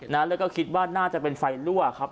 แล้วก็คิดว่าน่าจะเป็นไฟรั่วครับ